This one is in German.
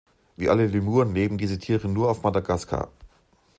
Wie alle Lemuren leben diese Tiere nur auf Madagaskar.